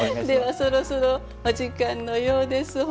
ではそろそろお時間のようです。